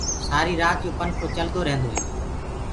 سآري رآت يو پنکو چلدو ريهندو هي